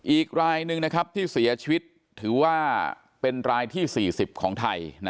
อีกรายหนึ่งที่เสียชีวิตถือว่าเป็นรายที่๔๐ของไทย